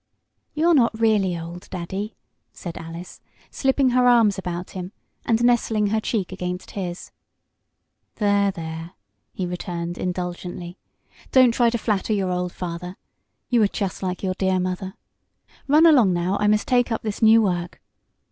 "You're not really old, Daddy!" said Alice, slipping her arms about him, and nestling her cheek against his. "There there!" he returned, indulgently, "don't try to flatter your old father. You are just like your dear mother. Run along now, I must take up this new work.